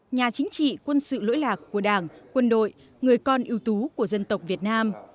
nhà chính trị quân sự lỗi lạc của đảng quân đội người con ưu tú của dân tộc việt nam